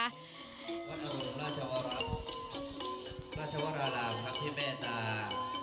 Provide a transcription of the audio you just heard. ราชวรรคราชวรราหลาพระพิเมตตาคณะสมนั้นได้จัดทำขึ้น